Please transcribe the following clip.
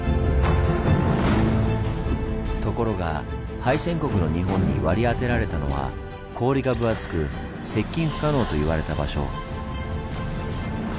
ところが敗戦国の日本に割り当てられたのは氷が分厚く接近不可能と言われた場所。